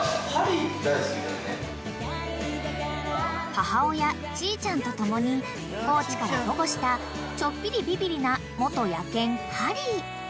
［母親チーちゃんと共に高知から保護したちょっぴりビビりな元野犬ハリー］